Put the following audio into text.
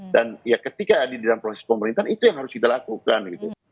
dan ketika ada di dalam proses pemerintahan itu yang harus kita lakukan